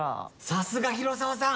さすが広沢さん。